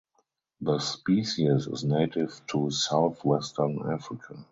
The species is native to southwestern Africa.